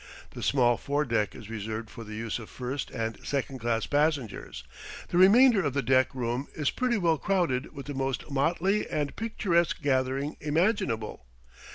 The small foredeck is reserved for the use of first and second class passengers; the remainder of the deck room is pretty well crowded with the most motley and picturesque gathering imaginable.